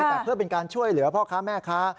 แต่เพื่อเป็นการช่วยเหลือพ่อค้าแม่ค้า